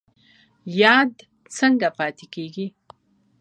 یاد څنګه پاتې کیږي؟